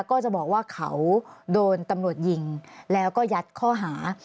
ก็จะบอกว่าเขาโดนตำรวจยิงแล้วก็ยัดข้อหา